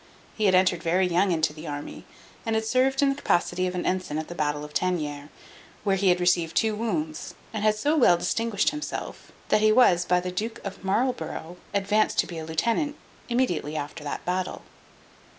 He had entered very young into the army, and had served in the capacity of an ensign at the battle of Tannieres; here he had received two wounds, and had so well distinguished himself, that he was by the Duke of Marlborough advanced to be a lieutenant, immediately after that battle.